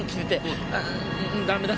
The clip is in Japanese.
ダメだ。